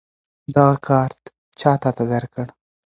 دغه کارت چا تاته درکړ؟